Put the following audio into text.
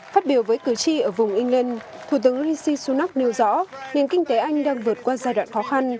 phát biểu với cử tri ở vùng england thủ tướng rishi sunak nêu rõ nền kinh tế anh đang vượt qua giai đoạn khó khăn